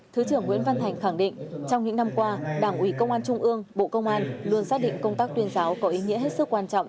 thứ trưởng nguyễn văn thành khẳng định trong những năm qua đảng ủy công an trung ương bộ công an luôn xác định công tác tuyên giáo có ý nghĩa hết sức quan trọng